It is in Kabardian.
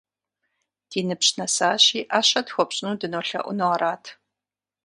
Ди ныбжь нэсащи, ӏэщэ тхуэпщӏыну дынолъэӏуну арат.